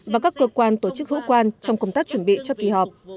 và các cơ quan tổ chức hữu quan trong công tác chuẩn bị cho kỳ họp